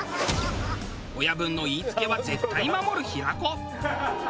親分の言い付けは絶対守る平子。